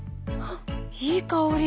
いい香り。